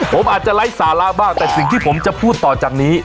ผมอาจจะไร้สาระบ้างแต่สิ่งที่ผมจะพูดต่อจากนี้